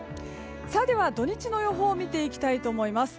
では、土日の予報を見ていきたいと思います。